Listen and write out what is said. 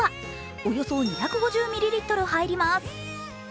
およそ２５０ミリリットル入ります。